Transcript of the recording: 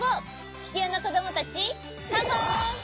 ちきゅうのこどもたちカモン！